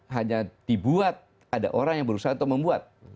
hanya dibuat ada orang yang berusaha untuk membuat